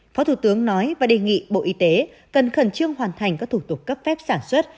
phó thủ tướng nói và đề nghị bộ y tế cần khẩn trương hoàn thành các thủ tục cấp phép sản xuất